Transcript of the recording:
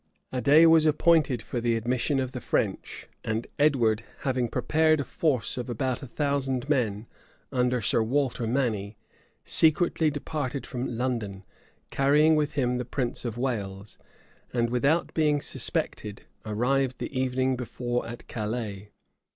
A day was appointed for the admission of the French; and Edward having prepared a force of about a thousand men, under Sir Walter Manny, secretly departed from London, carrying with him the prince of Wales; and, without being suspected, arrived the evening before at Calais.